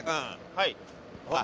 はい。